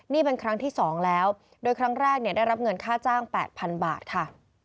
นี่เป็นครั้งที่๒แล้วโดยครั้งแรกได้รับเงินค่าจ้าง๘๐๐๐บาทค่ะ